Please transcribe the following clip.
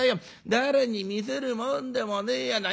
誰に見せるもんでもねえやな。